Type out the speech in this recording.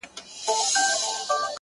زما ياران اوس په دې شكل سـوله ـ